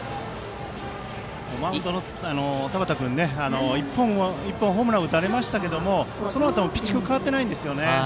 マウンドの田端君１本、ホームラン打たれましたがそのあともピッチングが変わってないんですよね。